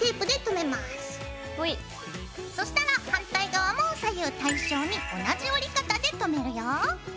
そしたら反対側も左右対称に同じ折り方でとめるよ。